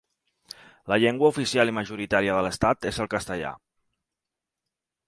La llengua oficial i majoritària de l'Estat és el castellà.